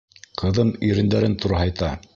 Ҡыҙым ирендәрен турһайта.